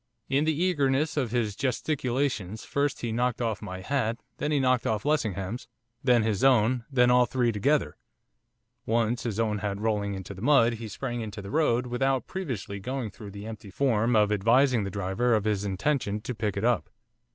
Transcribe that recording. In the eagerness of his gesticulations, first he knocked off my hat, then he knocked off Lessingham's, then his own, then all three together, once, his own hat rolling into the mud, he sprang into the road, without previously going through the empty form of advising the driver of his intention, to pick it up.